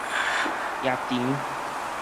驛長